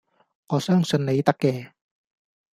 我相信你得嘅